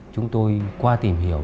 chúng tôi qua tìm hiểu